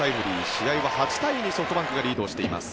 試合は８対２でソフトバンクがリードしています。